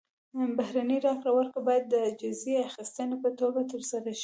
بهرنۍ راکړه ورکړه باید د جزیې اخیستنې په توګه ترسره شي.